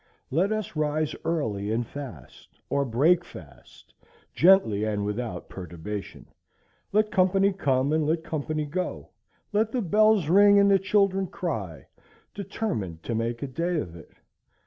Let us rise early and fast, or break fast, gently and without perturbation; let company come and let company go, let the bells ring and the children cry,—determined to make a day of it.